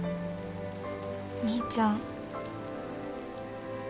兄ちゃん。